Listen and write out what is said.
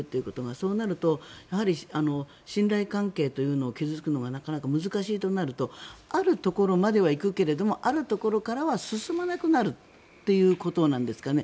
そうなると信頼関係というのを築くのがなかなか難しいとなるとあるところまでは行くけれどもあるところからは進まなくなるということなんですかね？